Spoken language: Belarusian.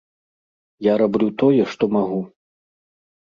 Я раблю тое, што магу.